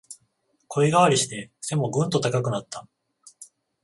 声変わりして背もぐんと高くなった